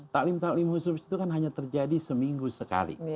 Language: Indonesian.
taklim taklim khusus itu kan hanya terjadi seminggu sekali